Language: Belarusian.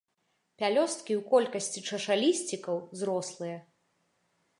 Пялёсткі ў колькасці чашалісцікаў зрослыя.